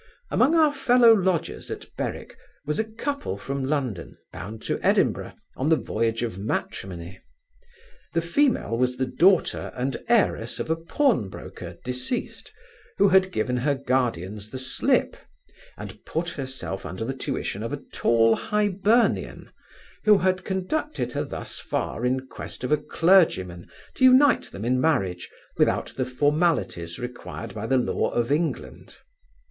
Among our fellow lodgers at Berwick, was a couple from London, bound to Edinburgh, on the voyage of matrimony. The female was the daughter and heiress of a pawnbroker deceased, who had given her guardians the slip, and put herself under the tuition of a tall Hibernian, who had conducted her thus far in quest of a clergyman to unite them in marriage, without the formalities required by the law of England.